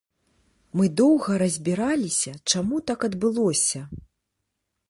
Мы доўга разбіраліся, чаму так адбылося.